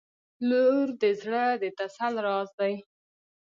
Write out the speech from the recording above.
• لور د زړه د تسل راز دی.